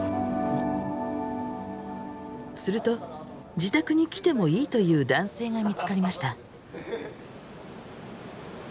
すると自宅に来てもいいという男性が見つかりました。